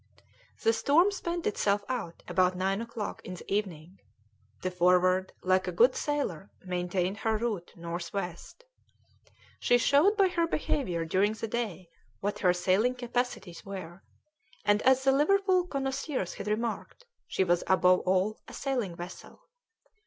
The storm spent itself out about nine o'clock in the evening; the Forward, like a good sailor, maintained her route north west. She showed by her behaviour during the day what her sailing capacities were, and as the Liverpool connoisseurs had remarked, she was above all, a sailing vessel.